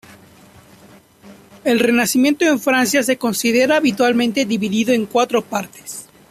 El Renacimiento en Francia se considera habitualmente dividido en cuatro partes.